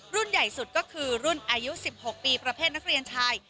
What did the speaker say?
รุ่นใหญ่สุดก็คือรุ่นอายุ๑๖ปีประเภทนักเรียนชาย